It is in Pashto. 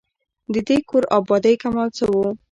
د دې کور آبادۍ کمال څه وو.